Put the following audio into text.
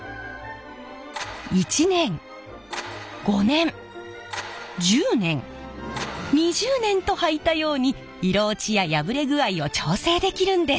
１年５年１０年２０年とはいたように色落ちや破れ具合を調整できるんです。